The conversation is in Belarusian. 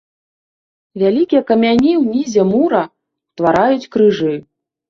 Вялікія камяні ўнізе мура ўтвараюць крыжы.